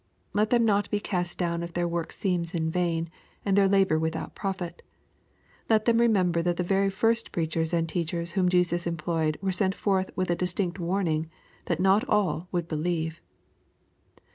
Let them not be cast down if jtheir work seems in vain, and their labor without profit. Let them remember that the very first preachers and^eachers whom Jesus employed were sent forth with a distinct warning that not all would believe.